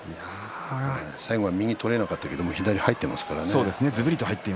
最後、右が取れなかったけれども左が入っていますからね。